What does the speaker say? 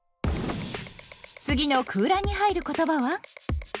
次の空欄に入る言葉は？